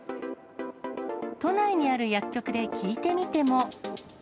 都内にある薬局で聞いてみても。